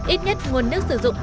ít nhất nguồn nước sử dụng